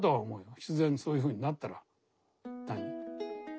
必然そういうふうになったら。